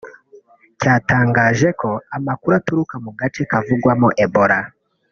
cyatangaje ko amakuru aturuka mu gace kavugwamo Ebola